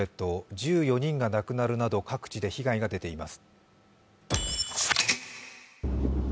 １４人が亡くなるなど各地で被害が出ています。